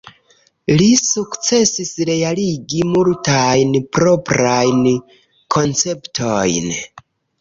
Li sukcesis realigi multajn proprajn konceptojn.